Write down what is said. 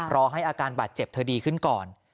รอให้อาการบาดเจ็บเธอดีขึ้นก่อน